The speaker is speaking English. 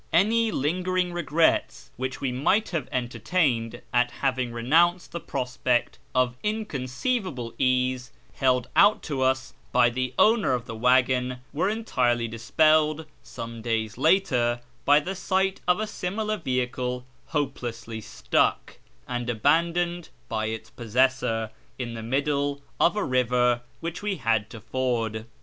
Any lingering regrets which we might have entertained at having renounced the prospect of " inconceivable ease " held out to us by the owner of the waggon were entirely dispelled some days later by the sight of a similar vehicle hopelessly stuck, and abandoned by its possessor, in the middle of a river which we had to ford.